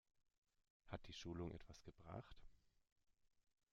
Hat die Schulung etwas gebracht?